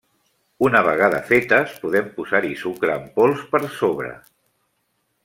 Una vegada fetes podem posar-hi sucre en pols per sobre.